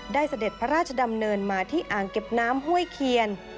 เสด็จพระราชดำเนินมาที่อ่างเก็บน้ำห้วยเคียน